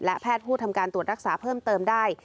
และแพทย์ผู้ทำการตรวจรักษาเพิ่มเติมได้